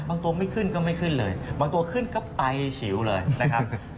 ตัวไม่ขึ้นก็ไม่ขึ้นเลยบางตัวขึ้นก็ไปฉิวเลยนะครับ